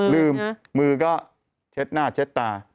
ลืมมือก็เช็ดหน้าเช็ดตา